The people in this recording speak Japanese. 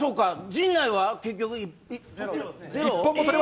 陣内は結局ゼロ。